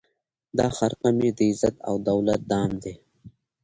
دا خرقه مي د عزت او دولت دام دی